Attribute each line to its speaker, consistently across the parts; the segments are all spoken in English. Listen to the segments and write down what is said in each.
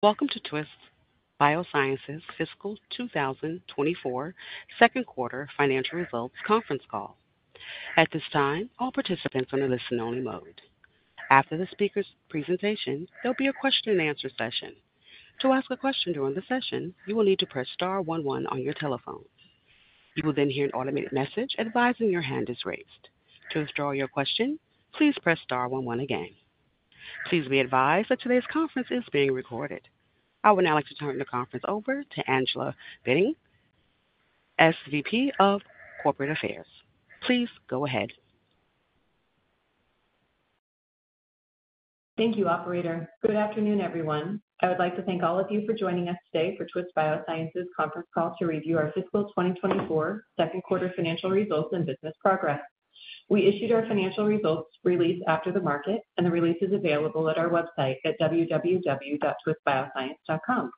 Speaker 1: Welcome to Twist Bioscience's fiscal 2024 second quarter financial results conference call. At this time, all participants are in a listen-only mode. After the speaker's presentation, there'll be a question and answer session. To ask a question during the session, you will need to press star one one on your telephones. You will then hear an automated message advising your hand is raised. To withdraw your question, please press star one one again. Please be advised that today's conference is being recorded. I would now like to turn the conference over to Angela Bitting, SVP of Corporate Affairs. Please go ahead
Speaker 2: Thank you, operator. Good afternoon, everyone. I would like to thank all of you for joining us today for Twist Bioscience's conference call to review our fiscal 2024 second quarter financial results and business progress. We issued our financial results release after the market, and the release is available at our website at www.twistbioscience.com.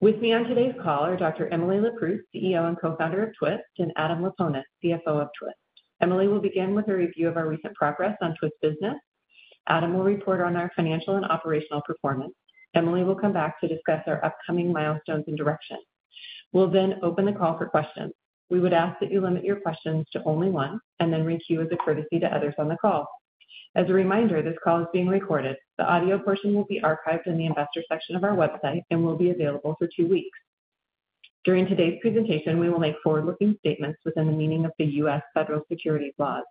Speaker 2: With me on today's call are Dr. Emily Leproust, CEO and co-founder of Twist, and Adam Laponis, CFO of Twist. Emily will begin with a review of our recent progress on Twist business. Adam will report on our financial and operational performance. Emily will come back to discuss our upcoming milestones and direction. We'll then open the call for questions. We would ask that you limit your questions to only one and then requeue as a courtesy to others on the call. As a reminder, this call is being recorded. The audio portion will be archived in the investor section of our website and will be available for two weeks. During today's presentation, we will make forward-looking statements within the meaning of the U.S. federal securities laws.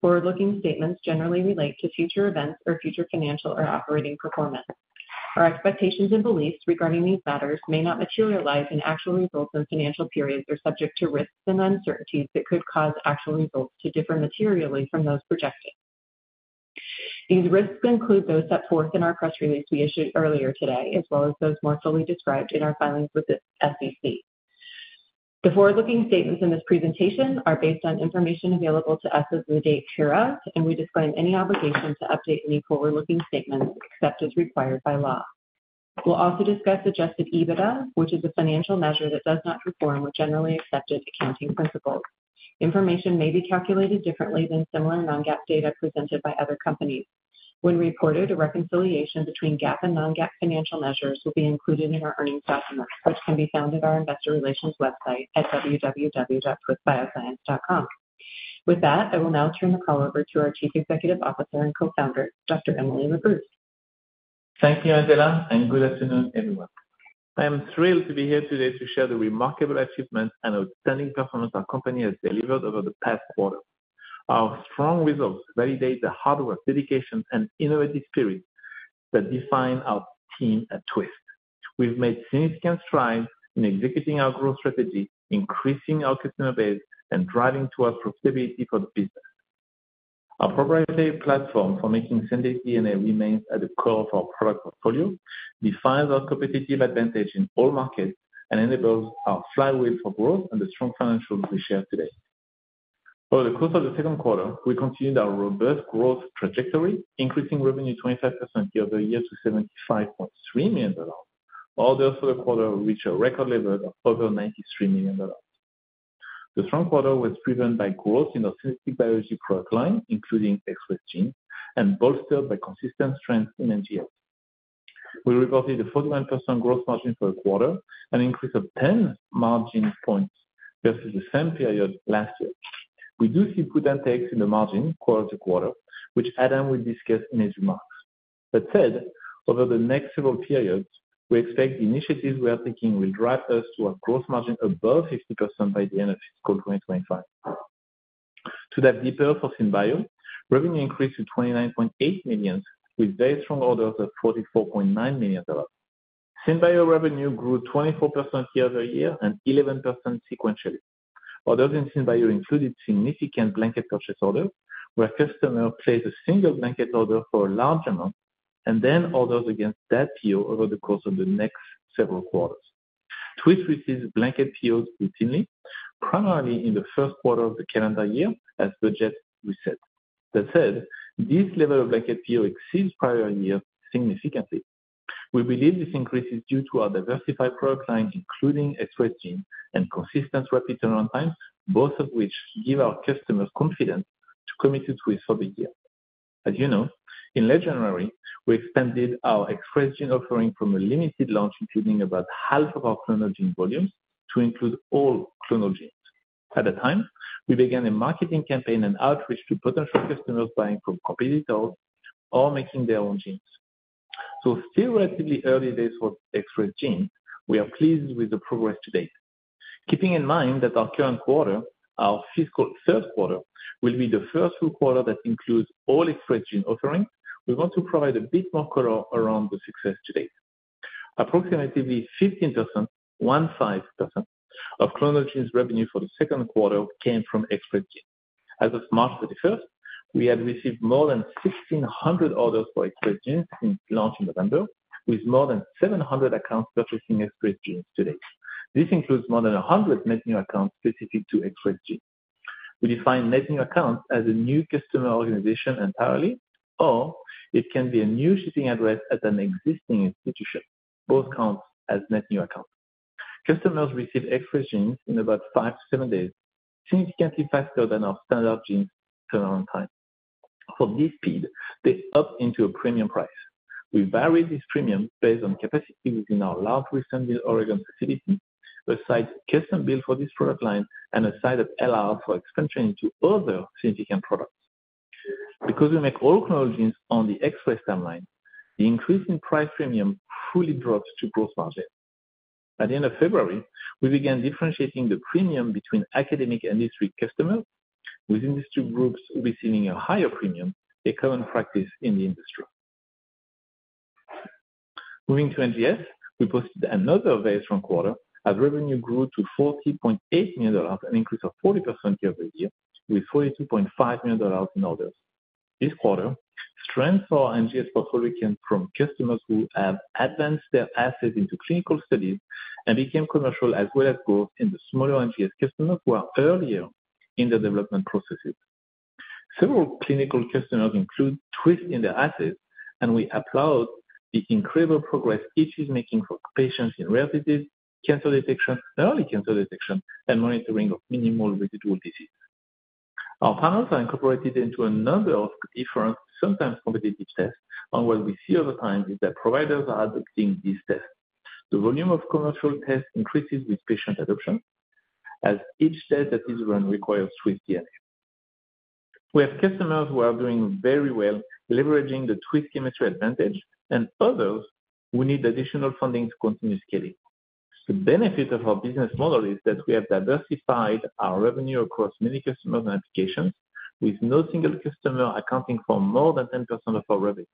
Speaker 2: Forward-looking statements generally relate to future events or future financial or operating performance. Our expectations and beliefs regarding these matters may not materialize in actual results, and financial periods are subject to risks and uncertainties that could cause actual results to differ materially from those projected. These risks include those set forth in our press release we issued earlier today, as well as those more fully described in our filings with the SEC. The forward-looking statements in this presentation are based on information available to us as of the date hereof, and we disclaim any obligation to update any forward-looking statements except as required by law. We'll also discuss Adjusted EBITDA, which is a financial measure that does not conform with generally accepted accounting principles. Information may be calculated differently than similar non-GAAP data presented by other companies. When reported, a reconciliation between GAAP and non-GAAP financial measures will be included in our earnings press release, which can be found at our investor relations website at www.twistbioscience.com. With that, I will now turn the call over to our Chief Executive Officer and Co-founder, Dr. Emily Leproust.
Speaker 3: Thank you, Angela, and good afternoon, everyone. I am thrilled to be here today to share the remarkable achievement and outstanding performance our company has delivered over the past quarter. Our strong results validate the hard work, dedication, and innovative spirit that define our team at Twist. We've made significant strides in executing our growth strategy, increasing our customer base, and driving towards profitability for the business. Our proprietary platform for making synthetic DNA remains at the core of our product portfolio, defines our competitive advantage in all markets, and enables our flywheels for growth and the strong financials we share today. Over the course of the second quarter, we continued our robust growth trajectory, increasing revenue 25% year-over-year to $75.3 million. Orders for the quarter reached a record level of over $93 million. The strong quarter was driven by growth in SynBio product line, including Express Genes, and bolstered by consistent strength in NGS. We reported a 49% gross margin for the quarter, an increase of 10 margin points versus the same period last year. We do see put and takes in the margin quarter to quarter, which Adam will discuss in his remarks. That said, over the next several periods, we expect the initiatives we are taking will drive us to a gross margin above 50% by the end of fiscal 2025. To dive deeper for SynBio, revenue increased to $29.8 million, with very strong orders of $44.9 million. SynBio revenue grew 24% year-over-year and 11% sequentially. Orders in SynBio included significant blanket purchase orders, where the customer places a single blanket order for a large amount and then orders against that PO over the course of the next several quarters. Twist receives blanket POs routinely, primarily in the first quarter of the calendar year, as budget reset. That said, this level of blanket PO exceeds prior year significantly. We believe this increase is due to our diversified product line, including Express Gene and consistent rapid turnaround times, both of which give our customers confidence to commit to Twist for the year. As you know, in late January, we expanded our Express Gene offering from a limited launch, including about half of our clonal gene volumes, to include all clonal genes. At the time, we began a marketing campaign and outreach to potential customers buying from competitors or making their own genes. So still relatively early days for Express Genes, we are pleased with the progress to date. Keeping in mind that our current quarter, our fiscal third quarter, will be the first full quarter that includes all Express Genes offerings, we want to provide a bit more color around the success to date. Approximately 15%, one five percent, of clonal genes revenue for the second quarter came from Express Genes. As of March thirty-first, we have received more than 1,600 orders for Express Genes since launch in November, with more than 700 accounts purchasing Express Genes to date. This includes more than 100 net new accounts specific to Express Genes. We define net new accounts as a new customer organization entirely, or it can be a new shipping address at an existing institution. Both count as net new account. Customers receive Express Genes in about 5-7 days, significantly faster than our standard gene turnaround time. For this speed, they opt into a premium price. We vary this premium based on capacity within our large Wilsonville, Oregon facility, a site custom-built for this product line, and a site at LR for expansion into other significant products. Because we make all clonal genes on the Express timeline, the increase in price premium fully drops to gross margin. At the end of February, we began differentiating the premium between academic and commercial customers, with industry groups receiving a higher premium, a common practice in the industry. Moving to NGS, we posted another very strong quarter as revenue grew to $40.8 million, an increase of 40% year-over-year, with $42.5 million in orders. This quarter, strength for our NGS portfolio came from customers who have advanced their assets into clinical studies and became commercial, as well as growth in the smaller NGS customers who are earlier in the development processes. Several clinical customers include Twist in their assets, and we applaud the incredible progress it is making for patients in rare disease, cancer detection, early cancer detection, and monitoring of minimal residual disease. Our panels are incorporated into a number of different, sometimes competitive tests, and what we see over time is that providers are adopting these tests. The volume of commercial tests increases with patient adoption, as each test that is run requires Twist DNA. We have customers who are doing very well, leveraging the Twist chemistry advantage, and others who need additional funding to continue scaling. The benefit of our business model is that we have diversified our revenue across many customers and applications, with no single customer accounting for more than 10% of our revenue.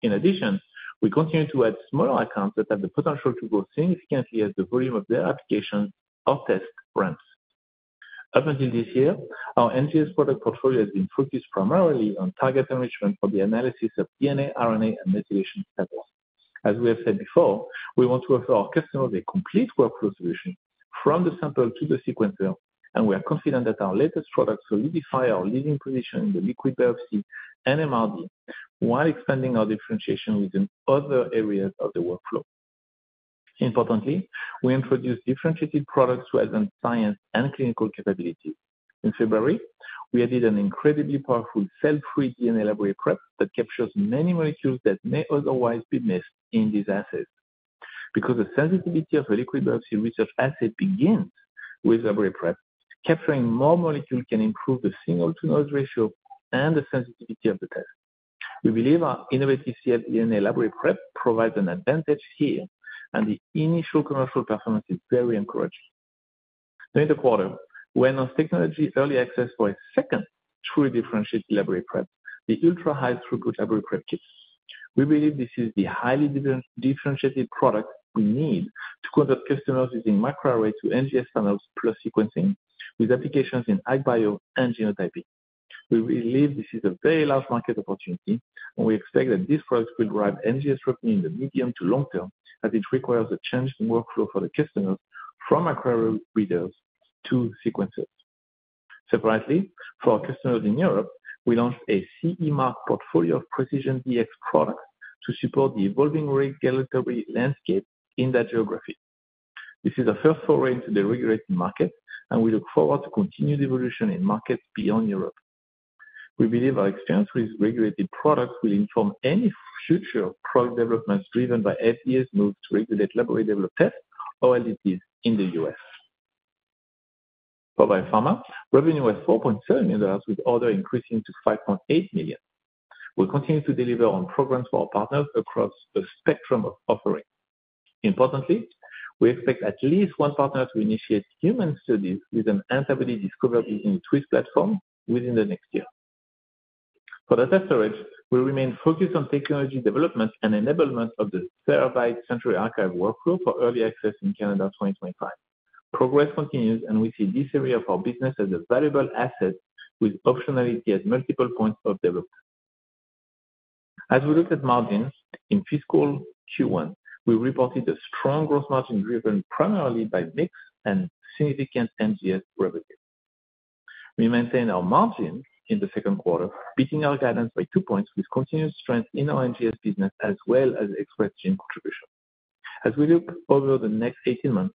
Speaker 3: In addition, we continue to add smaller accounts that have the potential to grow significantly as the volume of their application or test ramps. Up until this year, our NGS product portfolio has been focused primarily on target enrichment for the analysis of DNA, RNA, and methylation levels. As we have said before, we want to offer our customers a complete workflow solution from the sample to the sequencer, and we are confident that our latest products solidify our leading position in the liquid biopsy and MRD, while expanding our differentiation within other areas of the workflow. Importantly, we introduced differentiated products to advance science and clinical capability. In February, we added an incredibly powerful Cell-Free DNA Library Prep that captures many molecules that may otherwise be missed in these assets. Because the sensitivity of a liquid biopsy research asset begins with library prep, capturing more molecules can improve the signal-to-noise ratio and the sensitivity of the test. We believe our innovative cfDNA Library Prep provides an advantage here, and the initial commercial performance is very encouraging. During the quarter, we announced technology early access for a second truly differentiated library prep, the Ultra-High Throughput Library Prep Kits. We believe this is the highly differentiated product we need to convert customers using microarray to NGS panels plus sequencing with applications in AgBio and genotyping. We believe this is a very large market opportunity, and we expect that this product will drive NGS revenue in the medium to long term, as it requires a change in workflow for the customers from microarray readers to sequencers. Separately, for our customers in Europe, we launched a CE mark portfolio of Precision Dx products to support the evolving regulatory landscape in that geography. This is the first foray into the regulated market, and we look forward to continued evolution in markets beyond Europe. We believe our experience with regulated products will inform any future product developments driven by FDA's move to regulate laboratory developed tests, or LDTs, in the U.S. Pharma revenue was $4.7 million, with orders increasing to $5.8 million. We continue to deliver on programs for our partners across a spectrum of offerings. Importantly, we expect at least one partner to initiate human studies with an antibody discovered in Twist platform within the next year. For data storage, we remain focused on technology development and enablement of the Terabyte Century Archive workflow for early access in calendar 2025. Progress continues, and we see this area of our business as a valuable asset with optionality at multiple points of development. As we look at margins, in fiscal Q1, we reported a strong growth margin, driven primarily by mix and significant NGS revenue. We maintained our margin in the second quarter, beating our guidance by two points, with continuous strength in our NGS business, as well as Express Gene contribution. As we look over the next 18 months,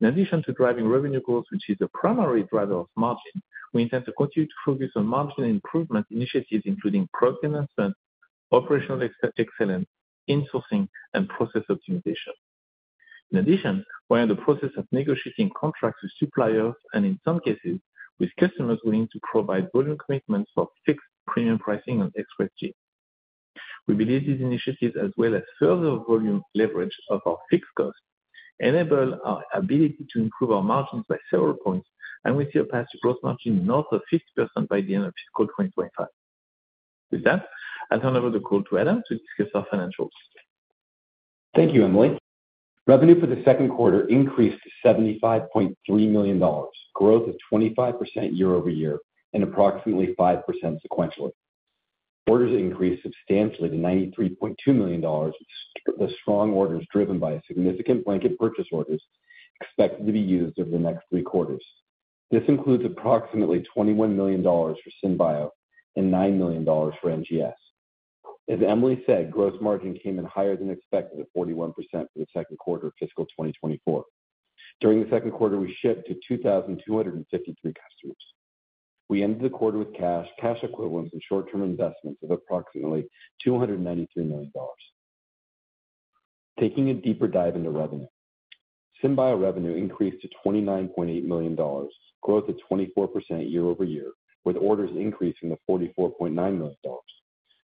Speaker 3: in addition to driving revenue growth, which is the primary driver of margin, we intend to continue to focus on margin improvement initiatives, including product enhancement, operational excellence, insourcing, and process optimization. In addition, we are in the process of negotiating contracts with suppliers and in some cases with customers willing to provide volume commitments for fixed premium pricing on Express Genes. We believe these initiatives, as well as further volume leverage of our fixed costs, enable our ability to improve our margins by several points, and we see a path to gross margin north of 50% by the end of fiscal 2025. With that, I'll turn over the call to Adam to discuss our financials.
Speaker 4: Thank you, Emily. Revenue for the second quarter increased to $75.3 million, growth of 25% year-over-year, and approximately 5% sequentially. Orders increased substantially to $93.2 million, with strong orders driven by significant blanket purchase orders expected to be used over the next three quarters. This includes approximately $21 million for Synbio and $9 million for NGS. As Emily said, gross margin came in higher than expected at 41% for the second quarter of fiscal 2024. During the second quarter, we shipped to 2,253 customers. We ended the quarter with cash, cash equivalents, and short-term investments of approximately $292 million. Taking a deeper dive into revenue. SynBio revenue increased to $29.8 million, 24% growth year-over-year, with orders increasing to $44.9 million.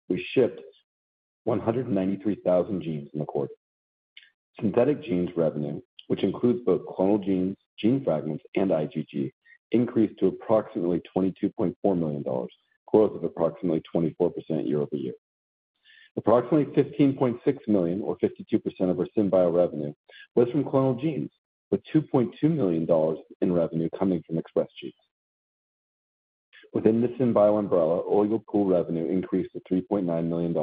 Speaker 4: We shipped 193,000 genes in the quarter. Synthetic genes revenue, which includes both Clonal Genes, gene fragments, and IgG, increased to approximately $22.4 million, approximately 24% growth year-over-year. Approximately $15.6 million, or 52% of our SynBio revenue, was from Clonal Genes, with $2.2 million in revenue coming from Express Genes. Within the SynBio umbrella, Oligo Pools revenue increased to $3.9 million,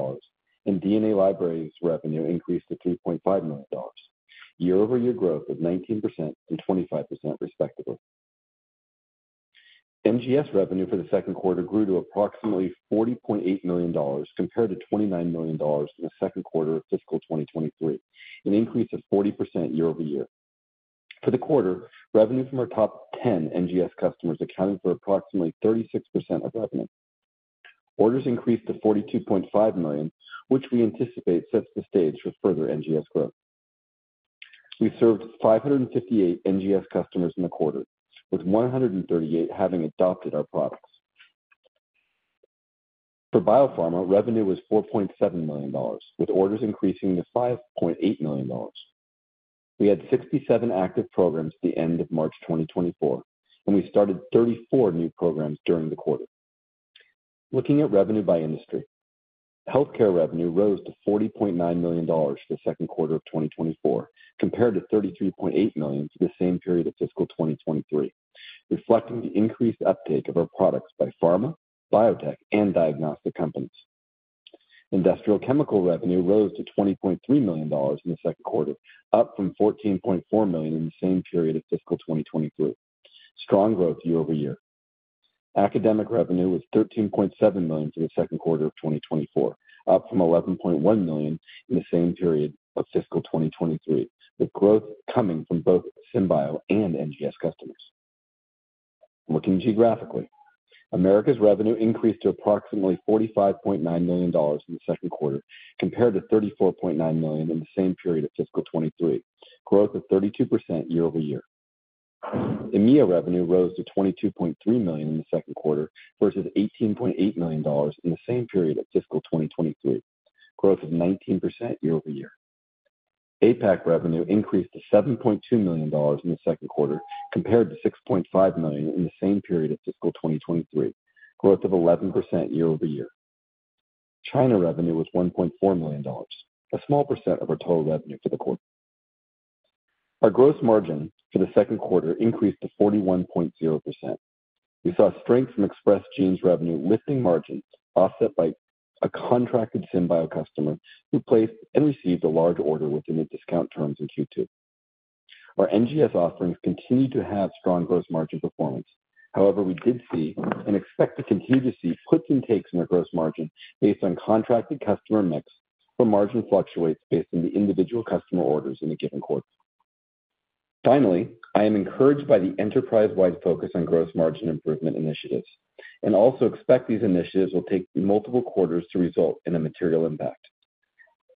Speaker 4: and DNA Libraries revenue increased to $3.5 million. Year-over-year growth of 19% and 25%, respectively. NGS revenue for the second quarter grew to approximately $40.8 million compared to $29 million in the second quarter of fiscal 2023, an increase of 40% year-over-year. For the quarter, revenue from our top 10 NGS customers accounted for approximately 36% of revenue. Orders increased to $42.5 million, which we anticipate sets the stage for further NGS growth. We served 558 NGS customers in the quarter, with 138 having adopted our products. For biopharma, revenue was $4.7 million, with orders increasing to $5.8 million. We had 67 active programs at the end of March 2024, and we started 34 new programs during the quarter. Looking at revenue by industry. Healthcare revenue rose to $40.9 million for the second quarter of 2024, compared to $33.8 million for the same period of fiscal 2023, reflecting the increased uptake of our products by pharma, biotech, and diagnostic companies. Industrial chemical revenue rose to $20.3 million in the second quarter, up from $14.4 million in the same period of fiscal 2023. Strong year-over-year growth. Academic revenue was $13.7 million for the second quarter of 2024, up from $11.1 million in the same period of fiscal 2023, with growth coming from both SynBio and NGS customers. Looking geographically. Americas revenue increased to approximately $45.9 million in the second quarter, compared to $34.9 million in the same period of fiscal 2023. Growth of 32% year-over-year. EMEA revenue rose to $22.3 million in the second quarter, versus $18.8 million in the same period of fiscal 2023. Growth of 19% year-over-year. APAC revenue increased to $7.2 million in the second quarter, compared to $6.5 million in the same period of fiscal 2023. Growth of 11% year-over-year. China revenue was $1.4 million, a small percent of our total revenue for the quarter. Our gross margin for the second quarter increased to 41.0%. We saw strength from Express Genes revenue lifting margins offset by a contracted SynBio customer who placed and received a large order within the discount terms in Q2. Our NGS offerings continued to have strong gross margin performance. However, we did see and expect to continue to see puts and takes in our gross margin based on contracted customer mix, where margin fluctuates based on the individual customer orders in a given quarter. Finally, I am encouraged by the enterprise-wide focus on gross margin improvement initiatives and also expect these initiatives will take multiple quarters to result in a material impact.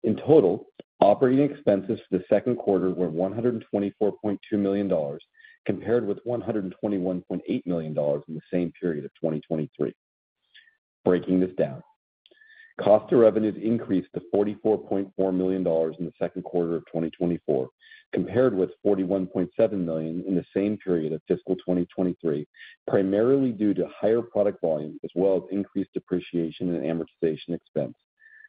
Speaker 4: In total, operating expenses for the second quarter were $124.2 million, compared with $121.8 million in the same period of 2023. Breaking this down. Cost of revenues increased to $44.4 million in the second quarter of 2024, compared with $41.7 million in the same period of fiscal 2023, primarily due to higher product volume as well as increased depreciation and amortization expense,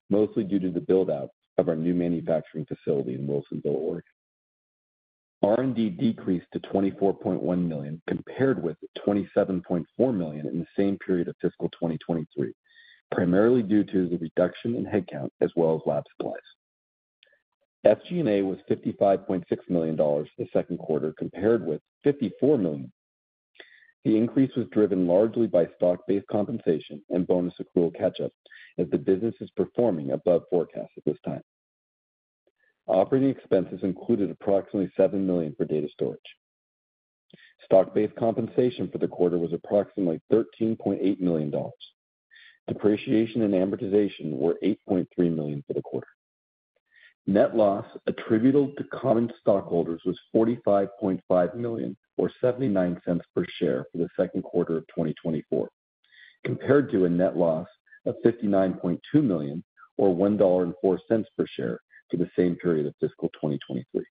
Speaker 4: mostly due to the build-out of our new manufacturing facility in Wilsonville, Oregon. R&D decreased to $24.1 million, compared with $27.4 million in the same period of fiscal 2023, primarily due to the reduction in headcount as well as lab supplies. SG&A was $55.6 million for the second quarter, compared with $54 million. The increase was driven largely by stock-based compensation and bonus accrual catch-up, as the business is performing above forecast at this time. Operating expenses included approximately $7 million for data storage. Stock-based compensation for the quarter was approximately $13.8 million. Depreciation and amortization were $8.3 million for the quarter. Net loss attributable to common stockholders was $45.5 million, or $0.79 per share, for the second quarter of 2024, compared to a net loss of $59.2 million, or $1.04 per share, for the same period of fiscal 2023.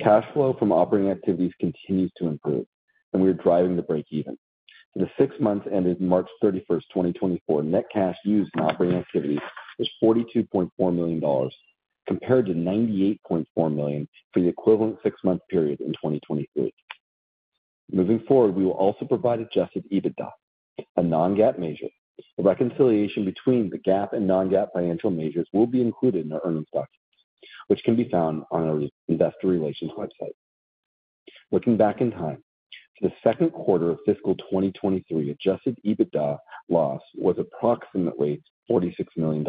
Speaker 4: Cash flow from operating activities continues to improve, and we are driving to break even. For the six months ended March 31, 2024, net cash used in operating activities was $42.4 million, compared to $98.4 million for the equivalent six-month period in 2023. Moving forward, we will also provide adjusted EBITDA, a non-GAAP measure. The reconciliation between the GAAP and non-GAAP financial measures will be included in our earnings documents, which can be found on our investor relations website. Looking back in time, the second quarter of fiscal 2023 adjusted EBITDA loss was approximately $46 million.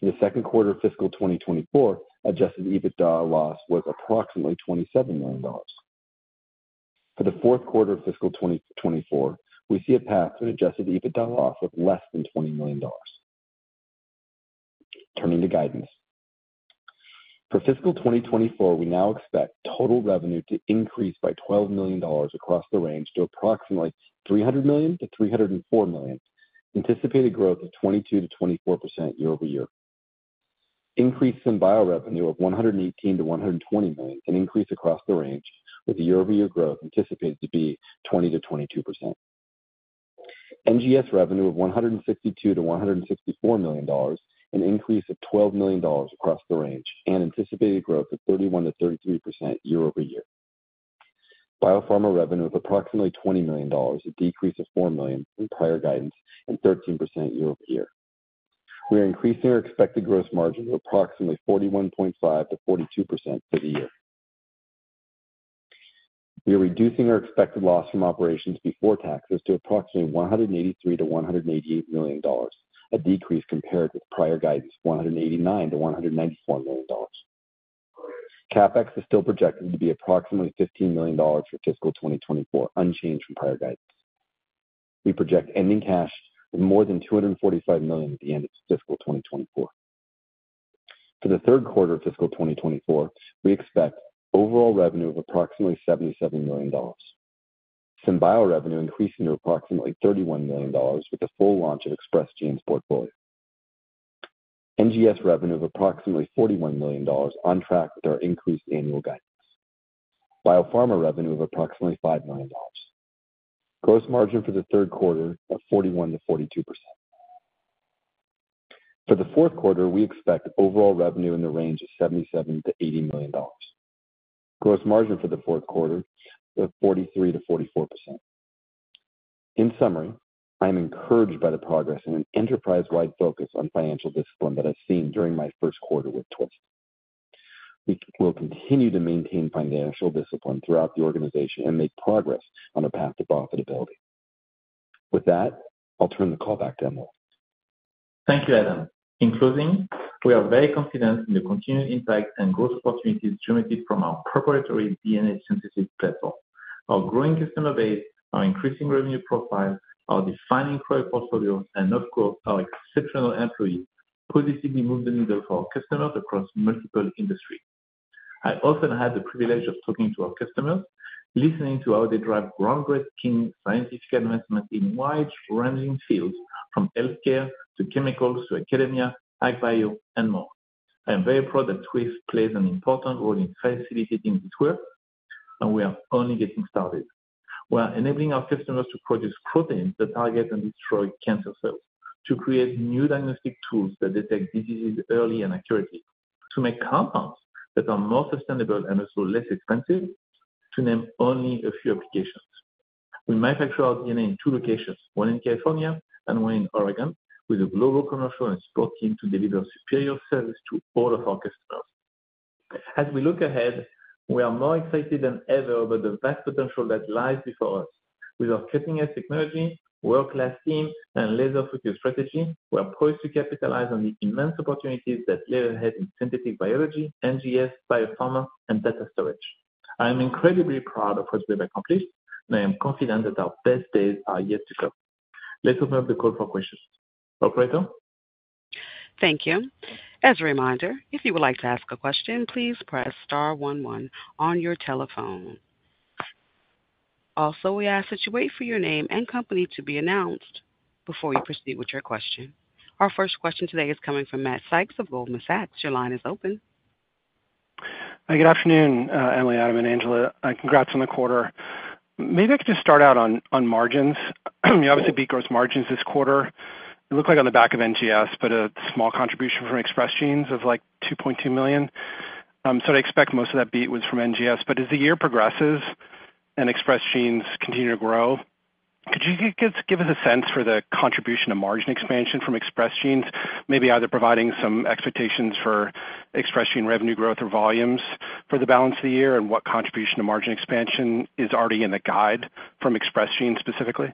Speaker 4: In the second quarter of fiscal 2024, adjusted EBITDA loss was approximately $27 million. For the fourth quarter of fiscal 2024, we see a path to an adjusted EBITDA loss of less than $20 million. Turning to guidance. For fiscal 2024, we now expect total revenue to increase by $12 million across the range to approximately $300 million-$304 million, anticipated growth of 22%-24% year-over-year. Increase in bio revenue of $118 million-$120 million, an increase across the range, with the year-over-year growth anticipated to be 20%-22%. NGS revenue of $162 million-$164 million, an increase of $12 million across the range and anticipated growth of 31%-33% year-over-year. Biopharma revenue of approximately $20 million, a decrease of $4 million from prior guidance and 13% year-over-year. We are increasing our expected gross margin of approximately 41.5%-42% for the year. We are reducing our expected loss from operations before taxes to approximately $183 million-$188 million, a decrease compared with prior guidance, $189 million-$194 million. CapEx is still projected to be approximately $15 million for fiscal 2024, unchanged from prior guidance. We project ending cash of more than $245 million at the end of fiscal 2024. For the third quarter of fiscal 2024, we expect overall revenue of approximately $77 million. SynBio revenue increasing to approximately $31 million, with the full launch of Express Genes portfolio. NGS revenue of approximately $41 million, on track with our increased annual guidance. Biopharma revenue of approximately $5 million. Gross margin for the third quarter of 41%-42%. For the fourth quarter, we expect overall revenue in the range of $77 million-$80 million. Gross margin for the fourth quarter of 43%-44%. In summary, I'm encouraged by the progress and an enterprise-wide focus on financial discipline that I've seen during my first quarter with Twist. We will continue to maintain financial discipline throughout the organization and make progress on the path to profitability. With that, I'll turn the call back to Emily.
Speaker 3: Thank you, Adam. In closing, we are very confident in the continued impact and growth opportunities generated from our proprietary DNA synthesis platform. Our growing customer base, our increasing revenue profile, our defining product portfolio, and of course, our exceptional employees, positively move the needle for our customers across multiple industries. I often had the privilege of talking to our customers, listening to how they drive ground-breaking scientific advancements in wide-ranging fields, from healthcare to chemicals to academia, agbio, and more. I am very proud that Twist plays an important role in facilitating this work, and we are only getting started. We are enabling our customers to produce proteins that target and destroy cancer cells, to create new diagnostic tools that detect diseases early and accurately, to make compounds that are more sustainable and also less expensive, to name only a few applications. We manufacture our DNA in two locations, one in California and one in Oregon, with a global commercial and support team to deliver superior service to all of our customers. As we look ahead, we are more excited than ever about the vast potential that lies before us. With our cutting-edge technology, world-class team, and laser-focused strategy, we are poised to capitalize on the immense opportunities that lay ahead in synthetic biology, NGS, biopharma, and data storage. I am incredibly proud of what we've accomplished, and I am confident that our best days are yet to come. Let's open up the call for questions. Operator?
Speaker 1: Thank you. As a reminder, if you would like to ask a question, please press star one one on your telephone. Also, we ask that you wait for your name and company to be announced before you proceed with your question. Our first question today is coming from Matt Sykes of Goldman Sachs. Your line is open.
Speaker 5: Hi, good afternoon, Emily, Adam, and Angela, and congrats on the quarter. Maybe I could just start out on margins. You obviously beat gross margins this quarter. It looked like on the back of NGS, but a small contribution from Express Genes of, like, $2.2 million. So I expect most of that beat was from NGS. But as the year progresses and Express Genes continue to grow, could you give us a sense for the contribution of margin expansion from Express Genes? Maybe either providing some expectations for Express Gene revenue growth or volumes for the balance of the year, and what contribution of margin expansion is already in the guide from Express Genes, specifically?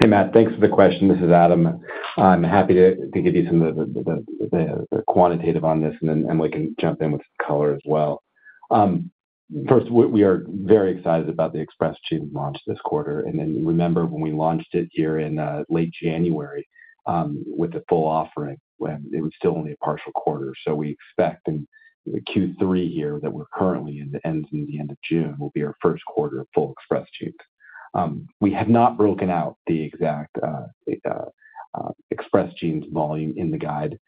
Speaker 4: Hey, Matt, thanks for the question. This is Adam. I'm happy to give you some of the quantitative on this, and then Emily can jump in with some color as well. First, we are very excited about the Express Genes launch this quarter. And then remember when we launched it here in late January, with the full offering, when it was still only a partial quarter. So we expect in Q3 here that we're currently in, the ends in the end of June, will be our first quarter of full Express Genes. We have not broken out the exact Express Genes volume in the guide.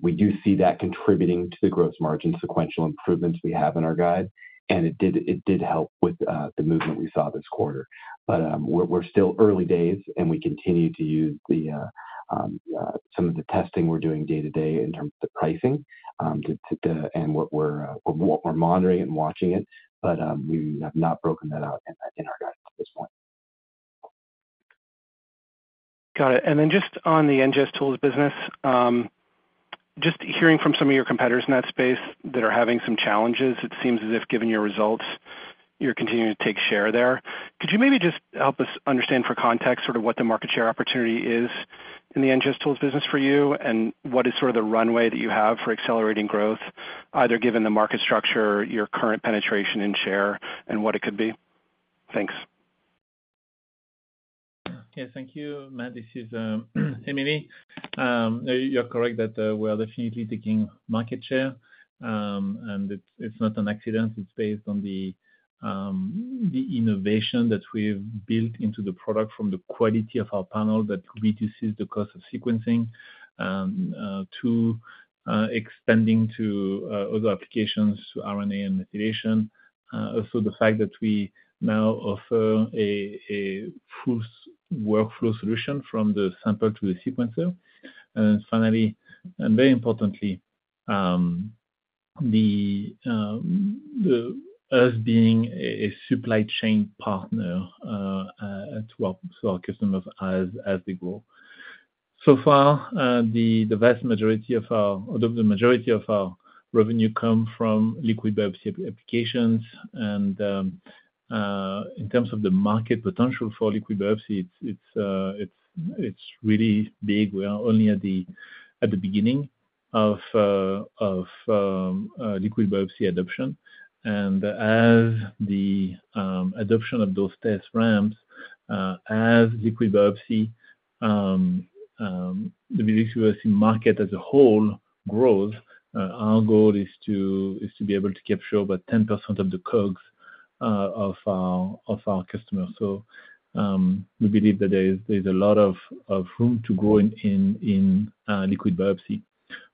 Speaker 4: We do see that contributing to the gross margin sequential improvements we have in our guide, and it did help with the movement we saw this quarter. But we're still early days, and we continue to use some of the testing we're doing day-to-day in terms of the pricing, and what we're monitoring and watching it. But we have not broken that out in our guide at this point.
Speaker 5: Got it. And then just on the NGS tools business, just hearing from some of your competitors in that space that are having some challenges, it seems as if, given your results, you're continuing to take share there. Could you maybe just help us understand for context, sort of what the market share opportunity is in the NGS tools business for you? And what is sort of the runway that you have for accelerating growth, either given the market structure, your current penetration and share, and what it could be? Thanks.
Speaker 3: Yeah, thank you, Matt. This is Emily. You're correct that we are definitely taking market share. And it's not an accident. It's based on the innovation that we've built into the product from the quality of our panel that reduces the cost of sequencing to extending to other applications, to RNA and methylation. So the fact that we now offer a full workflow solution from the sample to the sequencer. And finally, and very importantly, us being a supply chain partner to our customers as they grow. So far, the vast majority of our—or the majority of our revenue come from liquid biopsy applications. And in terms of the market potential for liquid biopsy, it's really big. We are only at the beginning of liquid biopsy adoption. And as the adoption of those tests ramps, as the liquid biopsy market as a whole grows, our goal is to be able to capture over 10% of the COGS of our customers. So we believe that there's a lot of room to grow in liquid biopsy.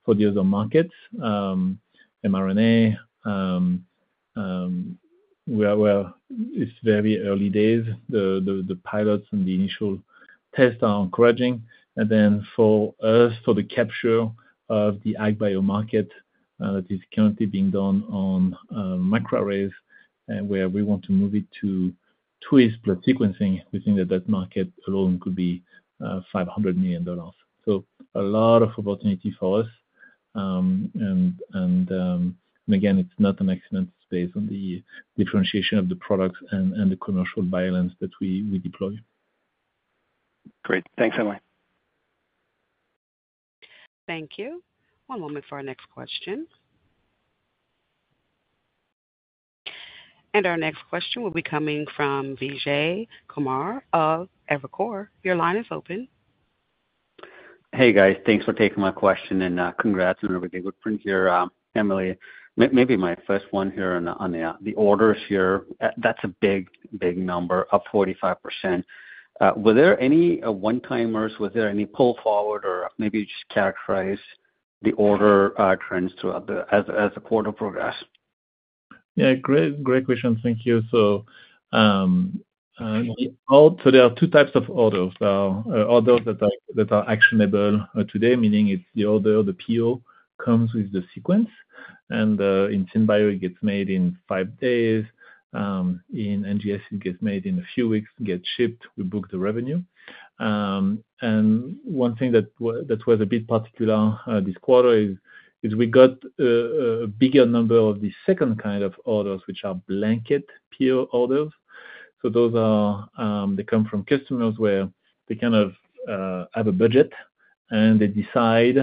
Speaker 3: For the other markets, mRNA, we are, well, it's very early days. The pilots and the initial tests are encouraging. Then for us, for the capture of the agbio market, that is currently being done on microarrays, and where we want to move it to Twist NGS sequencing, we think that that market alone could be $500 million. So a lot of opportunity for us. And again, it's not an accident. It's based on the differentiation of the products and the commercial violence that we deploy.
Speaker 5: Great. Thanks, Emily.
Speaker 1: Thank you. One moment for our next question. Our next question will be coming from Vijay Kumar of Evercore. Your line is open.
Speaker 6: Hey, guys, thanks for taking my question, and congrats on a very good print here, Emily. Maybe my first one here on the orders here. That's a big, big number, up 45%. Were there any one-timers? Was there any pull forward or maybe just characterize the order trends throughout the—as the quarter progressed?
Speaker 3: Yeah, great, great question. Thank you. So, there are two types of orders. Orders that are actionable today, meaning it's the order, the PO, comes with the sequence. And, in SynBio, it gets made in five days. In NGS, it gets made in a few weeks, it gets shipped, we book the revenue. And one thing that was a bit particular this quarter is we got a bigger number of the second kind of orders, which are blanket PO orders. So those are. They come from customers where they kind of have a budget, and they decide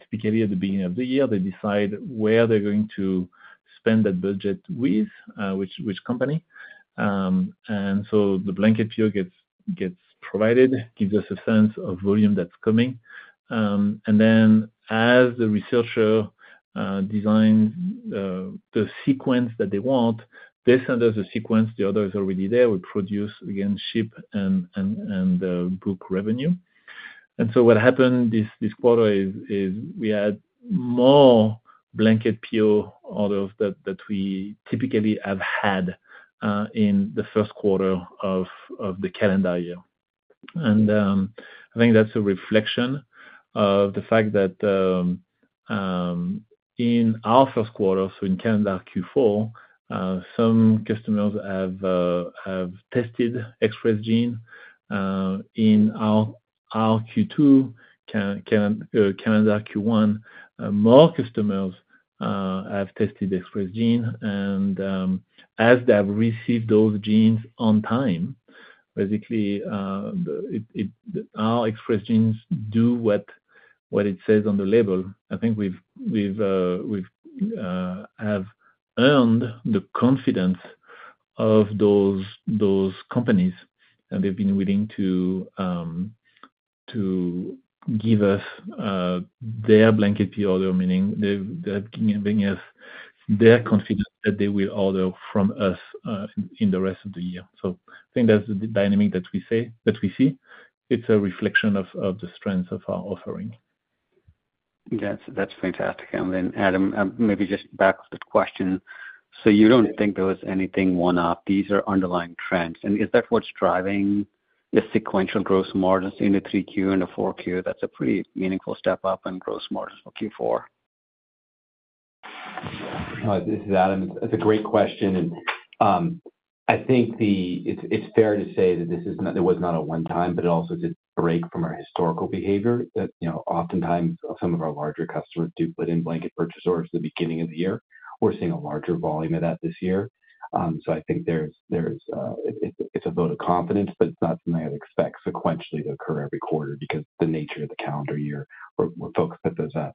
Speaker 3: typically at the beginning of the year where they're going to spend that budget with which company. And so the blanket PO gets provided, gives us a sense of volume that's coming. And then as the researcher designs the sequence that they want, they send us a sequence, the order is already there. We produce, again, ship and book revenue. And so what happened this quarter is we had more blanket PO orders that we typically have had in the first quarter of the calendar year. I think that's a reflection of the fact that in our first quarter, so in calendar Q4, some customers have tested Express Gene in our Q2, calendar Q1, more customers have tested Express Gene. And, as they have received those genes on time, basically, our Express Genes do what it says on the label. I think we've earned the confidence of those companies, and they've been willing to give us their blanket PO, meaning they've given us their confidence that they will order from us in the rest of the year. So I think that's the dynamic that we see. It's a reflection of the strength of our offering.
Speaker 6: That's, that's fantastic. And then, Adam, maybe just back to the question. So you don't think there was anything one-off, these are underlying trends, and is that what's driving the sequential gross margins in the 3Q and the 4Q? That's a pretty meaningful step up in gross margins for Q4.
Speaker 4: Hi, this is Adam. It's a great question. And, I think the-- it's, it's fair to say that this is not, it was not a one time, but it also did break from our historical behavior that, you know, oftentimes some of our larger customers do put in blanket purchase orders at the beginning of the year. We're seeing a larger volume of that this year. So I think there's, there's, it, it's a vote of confidence, but it's not something I'd expect sequentially to occur every quarter because the nature of the calendar year, where we're focused at those at.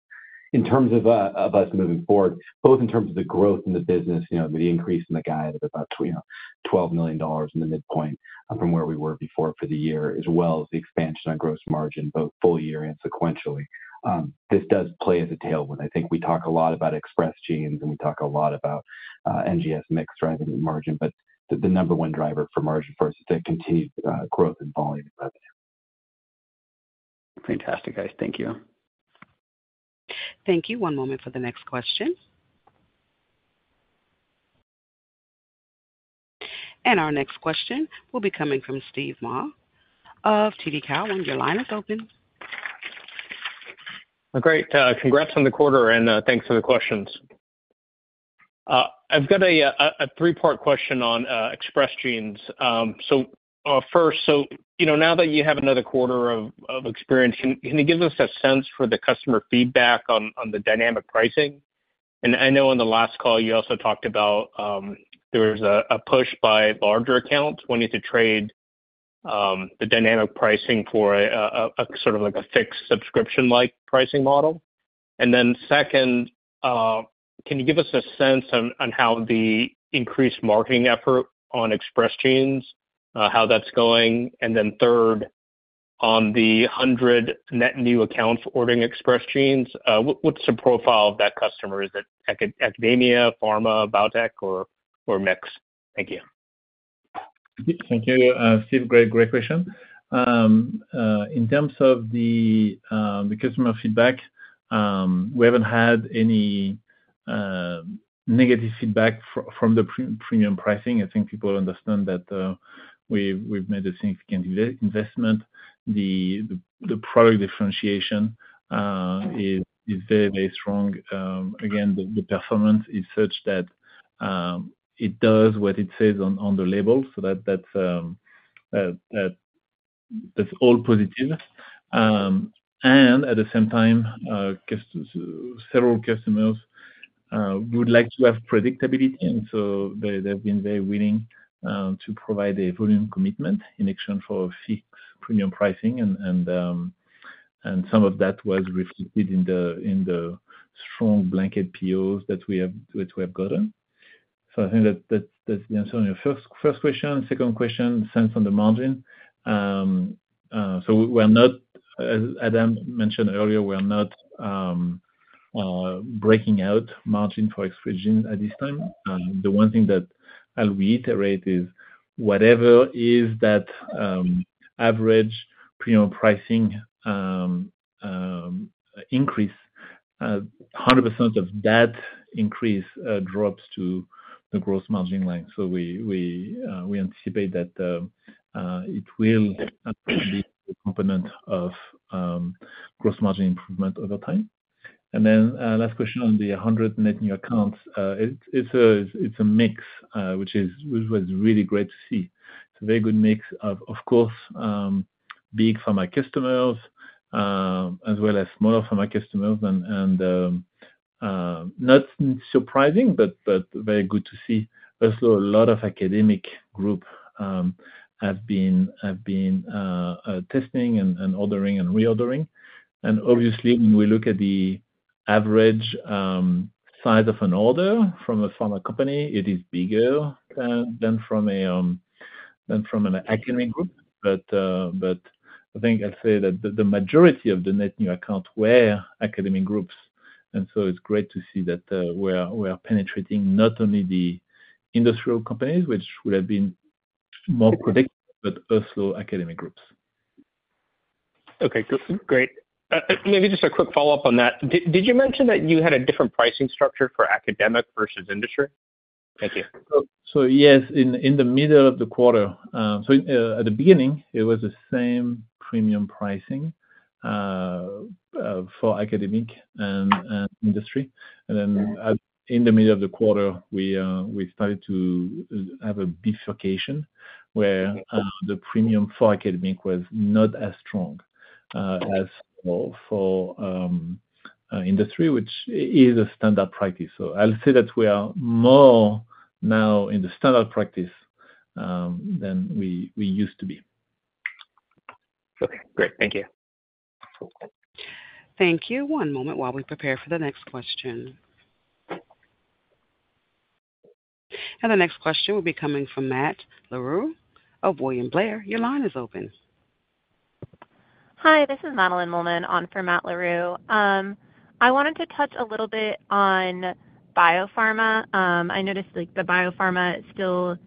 Speaker 4: In terms of of us moving forward, both in terms of the growth in the business, you know, the increase in the guide of about, you know, $12 million in the midpoint from where we were before for the year, as well as the expansion on gross margin, both full year and sequentially. This does play as a tailwind. I think we talk a lot about Express Genes, and we talk a lot about NGS mix driving the margin, but the number one driver for margin for us is the continued growth in volume and revenue.
Speaker 6: Fantastic, guys. Thank you.
Speaker 1: Thank you. One moment for the next question. Our next question will be coming from Steve Mah of TD Cowen. Your line is open.
Speaker 7: Great. Congrats on the quarter, and thanks for the questions. I've got a three-part question on Express Genes. So, first, so, you know, now that you have another quarter of experience, can you give us a sense for the customer feedback on the dynamic pricing? And I know on the last call, you also talked about there was a push by larger accounts wanting to trade the dynamic pricing for a sort of like a fixed subscription-like pricing model. And then second, can you give us a sense on how the increased marketing effort on Express Genes how that's going? And then third, on the 100 net new accounts ordering Express Genes, what what's the profile of that customer? Is it academia, pharma, biotech, or mix? Thank you.
Speaker 3: Thank you, Steve. Great, great question. In terms of the customer feedback, we haven't had any negative feedback from the premium pricing. I think people understand that, we've made a significant investment. The product differentiation is very strong. Again, the performance is such that it does what it says on the label, so that's all positive. And at the same time, several customers would like to have predictability, and so they've been very willing to provide a volume commitment in exchange for fixed premium pricing. And some of that was reflected in the strong blanket POs that we have, which we have gotten. So I think that's the answer on your first question. Second question, sense on the margin. So we're not, as Adam mentioned earlier, we are not breaking out margin for Express Genes at this time. The one thing that I'll reiterate is whatever is that average premium pricing increase, 100% of that increase drops to the gross margin line. So we anticipate that it will be a component of gross margin improvement over time. And then, last question on the 100 net new accounts. It's a mix, which was really great to see. It's a very good mix of course, big pharma customers, as well as smaller pharma customers. Not surprising, but very good to see. Also, a lot of academic group have been testing and ordering and reordering. And obviously, when we look at the average size of an order from a pharma company, it is bigger than from an academic group. But I think I'd say that the majority of the net new accounts were academic groups, and so it's great to see that we are penetrating not only the industrial companies, which would have been more predictable, but also academic groups.
Speaker 7: Okay, great. Maybe just a quick follow-up on that. Did you mention that you had a different pricing structure for academic versus industry? Thank you.
Speaker 3: So, yes, in the middle of the quarter. At the beginning, it was the same premium pricing for academic and industry. And then in the middle of the quarter, we started to have a bifurcation, where the premium for academic was not as strong as for industry, which is a standard practice. So I'll say that we are more now in the standard practice than we used to be.
Speaker 7: Okay, great. Thank you.
Speaker 1: Thank you. One moment while we prepare for the next question. The next question will be coming from Matt Larew of William Blair. Your line is open.
Speaker 8: Hi, this is Madeline Mollman on for Matt Larew. I wanted to touch a little bit on biopharma. I noticed, like, the biopharma still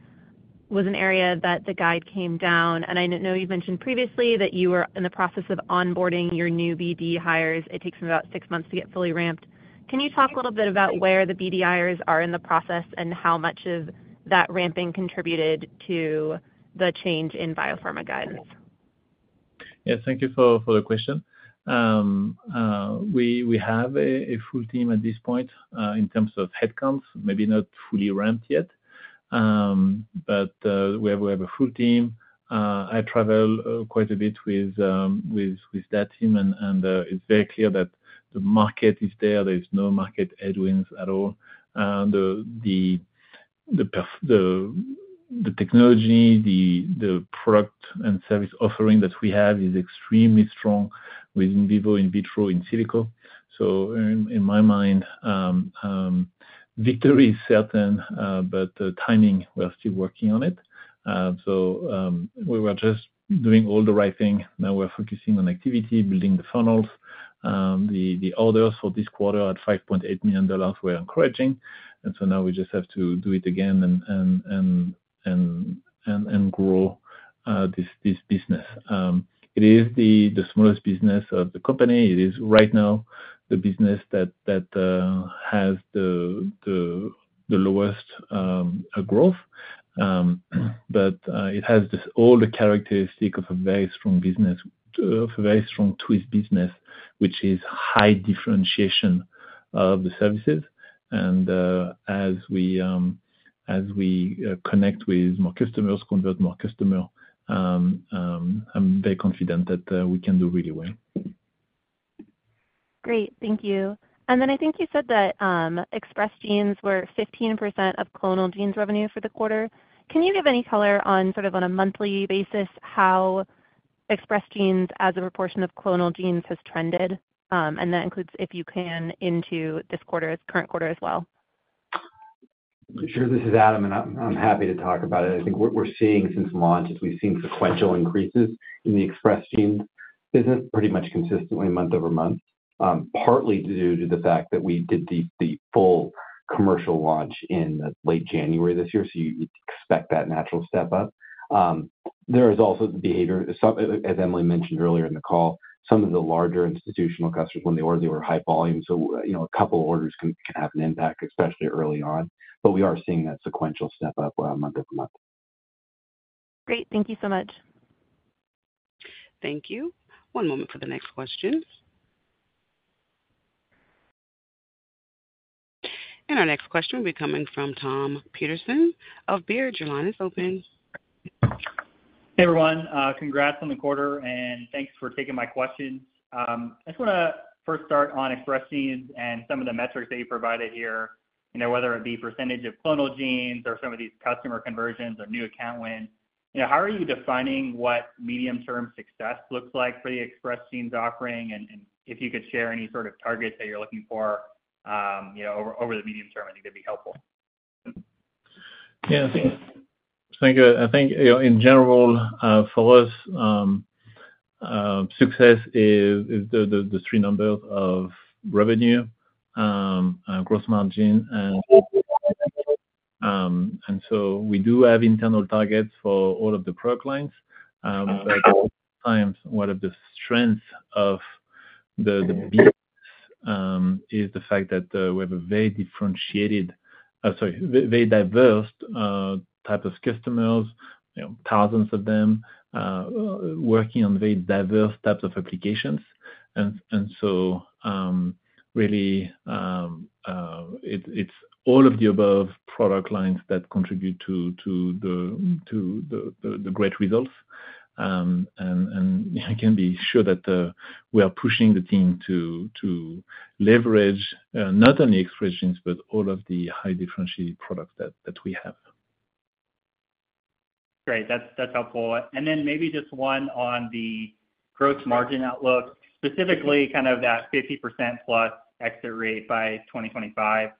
Speaker 8: was an area that the guide came down. And I know you've mentioned previously that you were in the process of onboarding your new BD hires. It takes about 6 months to get fully ramped. Can you talk a little bit about where the BD hires are in the process and how much of that ramping contributed to the change in biopharma guidance?
Speaker 3: Yes, thank you for the question. We have a full team at this point, in terms of headcounts, maybe not fully ramped yet. But we have a full team. I travel quite a bit with that team, and it's very clear that the market is there. There is no market headwinds at all. And the path, the technology, the product and service offering that we have is extremely strong with in vivo, in vitro, in silico. So in my mind, victory is certain, but the timing, we are still working on it. So we were just doing all the right thing. Now we're focusing on activity, building the funnels. The orders for this quarter at $5.8 million were encouraging. So now we just have to do it again and grow this business. It is the smallest business of the company. It is right now the business that has the lowest growth. But it has all the characteristics of a very strong business, a very strong Twist business, which is high differentiation of the services. And as we connect with more customers, convert more customers, I'm very confident that we can do really well.
Speaker 8: Great. Thank you. And then I think you said that Express Genes were 15% of Clonal Genes revenue for the quarter. Can you give any color on, sort of on a monthly basis, how Express Genes as a proportion of Clonal Genes has trended? And that includes, if you can, into this quarter, current quarter as well.
Speaker 4: Sure. This is Adam, and I'm happy to talk about it. I think what we're seeing since launch is we've seen sequential increases in the Express Genes business pretty much consistently month-over-month. Partly due to the fact that we did the full commercial launch in late January this year, so you would expect that natural step up. There is also the behavior. As Emily mentioned earlier in the call, some of the larger institutional customers, when they order, they were high volume, so you know, a couple orders can have an impact, especially early on. But we are seeing that sequential step up month-over-month.
Speaker 8: Great. Thank you so much.
Speaker 1: Thank you. One moment for the next question. Our next question will be coming from Tom Peterson of Baird. Your line is open.
Speaker 9: Hey, everyone. Congrats on the quarter, and thanks for taking my questions. I just wanna first start on Express Genes and some of the metrics that you provided here, you know, whether it be percentage of clonal genes or some of these customer conversions or new account wins. You know, how are you defining what medium-term success looks like for the Express Genes offering? And, and if you could share any sort of targets that you're looking for, you know, over, over the medium term, I think it'd be helpful.
Speaker 3: Yeah, I think, you know, in general, for us, success is the three numbers of revenue, gross margin and... So we do have internal targets for all of the product lines. But at times, one of the strengths is the fact that we have a very differentiated, sorry, very diverse type of customers, you know, thousands of them, working on very diverse types of applications. And so, really, it's all of the above product lines that contribute to the great results. And I can be sure that we are pushing the team to leverage not only Express Genes, but all of the high differentiated products that we have.
Speaker 9: Great. That's, that's helpful. And then maybe just one on the gross margin outlook, specifically kind of that 50%+ exit rate by 2025.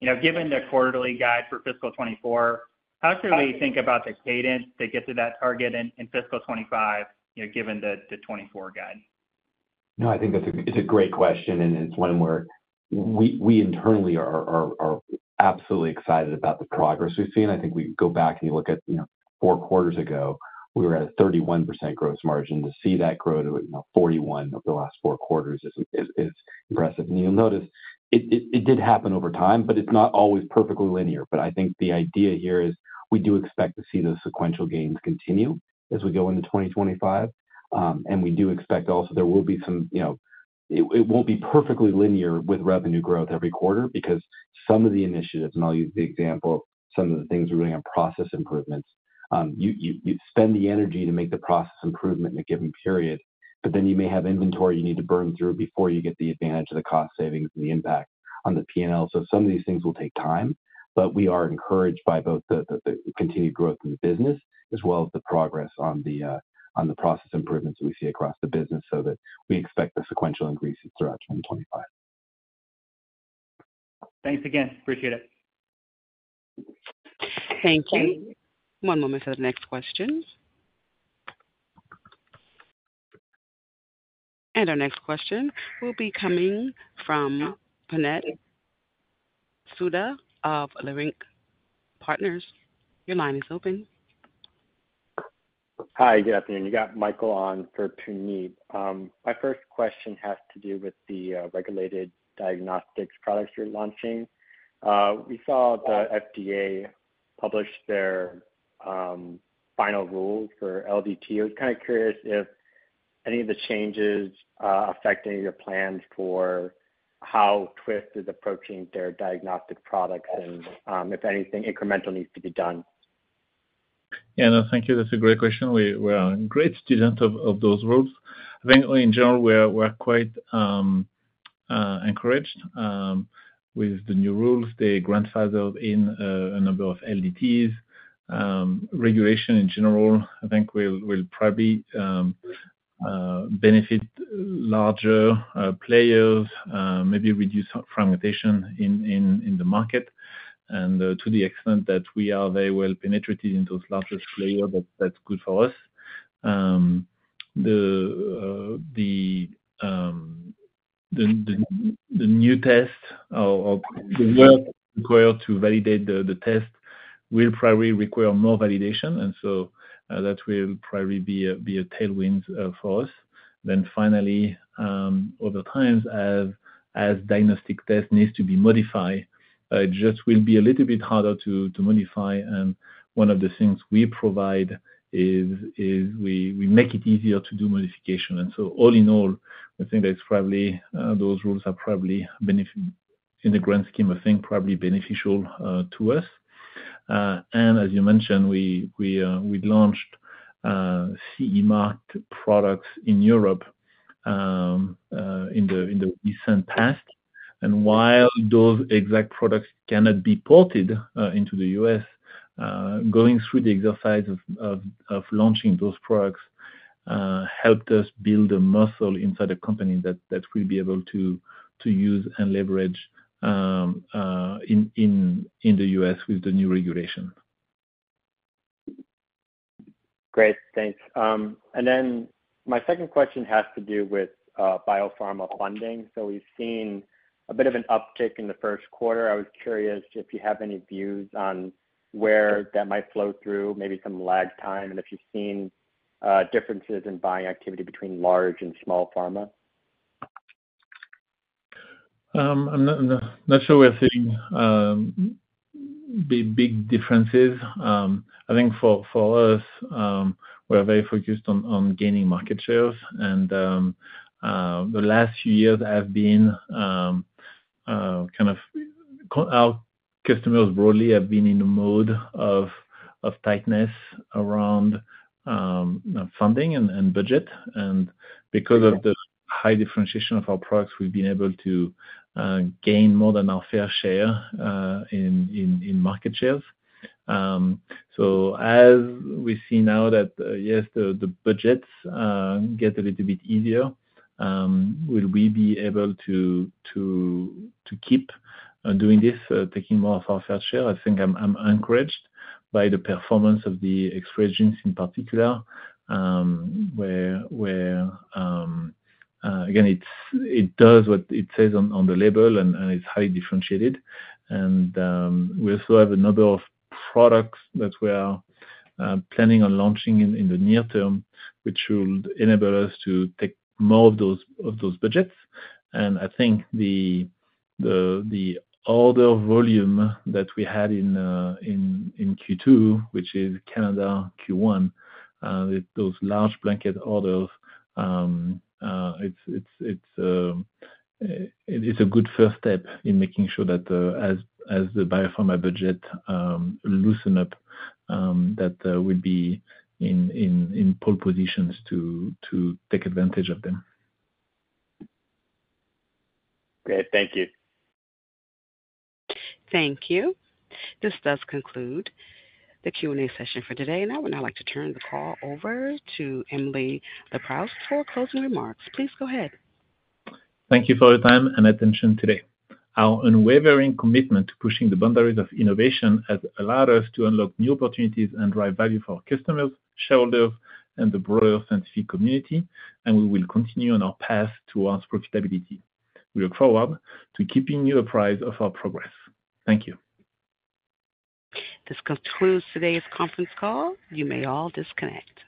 Speaker 9: You know, given the quarterly guide for fiscal 2024, how should we think about the cadence to get to that target in, in fiscal 2025, you know, given the, the 2024 guide?
Speaker 4: No, I think that's a, it's a great question, and it's one where we internally are absolutely excited about the progress we've seen. I think we go back and you look at, you know, four quarters ago, we were at a 31% gross margin. To see that grow to, you know, 41% over the last four quarters is impressive. And you'll notice it did happen over time, but it's not always perfectly linear. But I think the idea here is we do expect to see those sequential gains continue as we go into 2025. And we do expect also there will be some... You know, it won't be perfectly linear with revenue growth every quarter, because some of the initiatives, and I'll use the example of some of the things we're doing on process improvements. You spend the energy to make the process improvement in a given period, but then you may have inventory you need to burn through before you get the advantage of the cost savings and the impact on the P&L. So some of these things will take time, but we are encouraged by both the continued growth in the business as well as the progress on the process improvements we see across the business, so that we expect the sequential increases throughout 2025.
Speaker 9: Thanks again. Appreciate it.
Speaker 1: Thank you. One moment for the next question. Our next question will be coming from Puneet Souda of Leerink Partners. Your line is open.
Speaker 10: Hi, good afternoon. You got Michael on for Puneet. My first question has to do with the, regulated diagnostics products you're launching. We saw the FDA published their final rules for LDT. I was kind of curious if any of the changes affect any of your plans for how Twist is approaching their diagnostic products and, if anything incremental needs to be done?
Speaker 3: Yeah, no, thank you. That's a great question. We are a great student of those rules. I think in general, we are quite encouraged with the new rules. They grandfather in a number of LDTs. Regulation in general, I think will probably benefit larger players, maybe reduce fragmentation in the market. And to the extent that we are very well penetrated into those larger players, that's good for us. The new test or the work required to validate the test will probably require more validation, and so that will probably be a tailwind for us. Then finally, over time, as diagnostic test needs to be modified, just will be a little bit harder to modify. One of the things we provide is we make it easier to do modification. And so all in all, I think that's probably those rules are probably in the grand scheme, I think, probably beneficial to us. And as you mentioned, we've launched CE-marked products in Europe in the recent past. And while those exact products cannot be ported into the U.S., going through the exercise of launching those products helped us build a muscle inside the company that we'll be able to use and leverage in the U.S. with the new regulation.
Speaker 10: Great, thanks. And then my second question has to do with biopharma funding. So we've seen a bit of an uptick in the first quarter. I was curious if you have any views on where that might flow through, maybe some lag time, and if you've seen differences in buying activity between large and small pharma.
Speaker 3: I'm not sure we're seeing big differences. I think for us, we're very focused on gaining market shares. And the last few years have been kind of... Our customers broadly have been in a mode of tightness around funding and budget. And because of the high differentiation of our products, we've been able to gain more than our fair share in market shares. So as we see now that yes, the budgets get a little bit easier, will we be able to keep doing this, taking more of our fair share? I think I'm encouraged by the performance of the Express Genes in particular, where again, it does what it says on the label, and it's highly differentiated. We also have a number of products that we are planning on launching in the near term, which will enable us to take more of those budgets. I think the order volume that we had in Q2, which is calendar Q1, with those large blanket orders, it's a good first step in making sure that as the biopharma budget loosen up, we'll be in pole positions to take advantage of them.
Speaker 10: Great, thank you.
Speaker 1: Thank you. This does conclude the Q&A session for today, and I would now like to turn the call over to Emily Leproust for closing remarks. Please go ahead.
Speaker 3: Thank you for your time and attention today. Our unwavering commitment to pushing the boundaries of innovation has allowed us to unlock new opportunities and drive value for our customers, shareholders, and the broader scientific community, and we will continue on our path towards profitability. We look forward to keeping you apprised of our progress. Thank you.
Speaker 1: This concludes today's conference call. You may all disconnect.